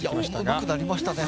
うまくなりましたね